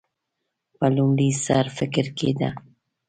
په لومړي سر کې فکر کېده.